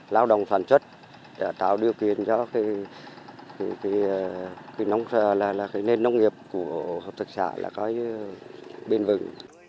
lao động phản xuất để tạo điều kiện cho nền nông nghiệp của hợp tác xã là có bên vực